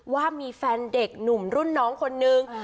ว่ามีแฟนเด็กหนุ่มรุ่นน้องคนนึง